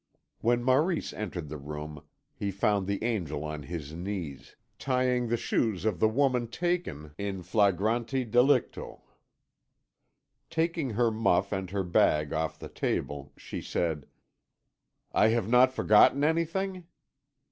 When Maurice entered the room he found the Angel on his knees tying the shoes of the woman taken in flagrante delicto. Taking her muff and her bag off the table she said: "I have not forgotten anything?